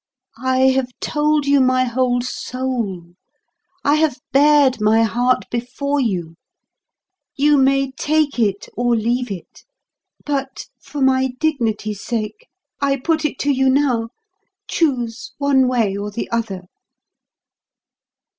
I have told you my whole soul; I have bared my heart before you. You may take it or leave it; but for my dignity's sake, I put it to you now, choose one way or the other."